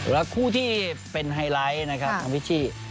แล้วคู่ที่เป็นไฮไลท์นะครับน้องพิชชี่